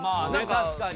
確かに。